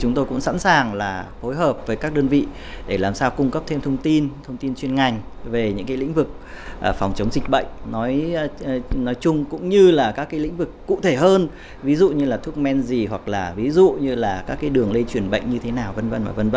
chúng tôi cũng sẵn sàng là phối hợp với các đơn vị để làm sao cung cấp thêm thông tin thông tin chuyên ngành về những lĩnh vực phòng chống dịch bệnh nói chung cũng như là các lĩnh vực cụ thể hơn ví dụ như là thuốc men gì hoặc là ví dụ như là các đường lây truyền bệnh như thế nào v v